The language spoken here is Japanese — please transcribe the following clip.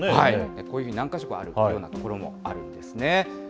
こういうふうに何か所かある所もあるんですね。